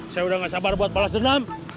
saya udah gak sabar buat balas renam